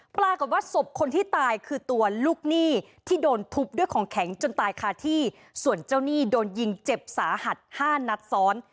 ปรากฏว่าศพคนที่ตายคือตัวลูกหนี้ที่โดนทุบด้วยของแข็งจนตายคาที่ส่วนเจ้าหนี้โดนยิงเจ็บสาหัสห้านัดซ้อน